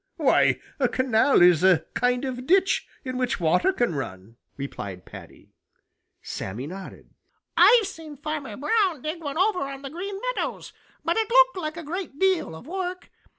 Why, a canal is a kind of ditch in which water can run," replied Paddy. Sammy nodded. "I've seen Farmer Brown dig one over on the Green Meadows, but it looked like a great deal of work.